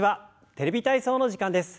「テレビ体操」の時間です。